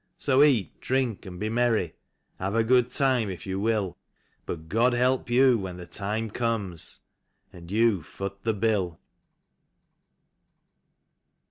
So eat, drink and be merry, have a good time if you will, But Grod help you when the time comes, and you Foot the bill.